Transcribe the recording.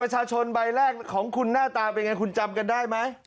บัตรประชาชนใบแรกของคุณหน้าตาเป็นยังไงคุณจำกันได้ไหม